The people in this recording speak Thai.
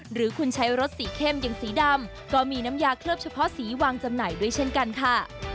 หรือคุณใช้รถสีเข้มอย่างสีดำก็มีน้ำยาเคลือบเฉพาะสีวางจำหน่ายด้วยเช่นกันค่ะ